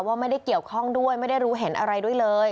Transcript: ว่าไม่ได้เกี่ยวข้องด้วยไม่ได้รู้เห็นอะไรด้วยเลย